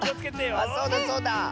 あっそうだそうだ！